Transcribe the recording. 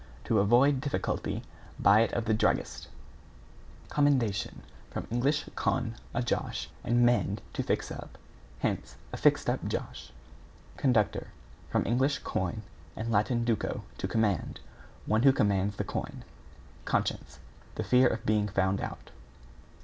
To avoid difficulty, buy it of the druggist. =COMMENDATION= From Eng. con, a josh, and mend, to fix up. Hence, a fixed up josh. =CONDUCTOR= From Eng. coin, and Lat. duco, to command. One who commands the coin. =CONSCIENCE= The fear of being found out.